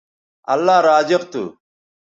اللہ رازق تھو